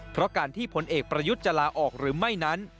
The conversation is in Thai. เพราะการที่ผลเอกประยุทธ์จะลาออกหรือไม่นั้น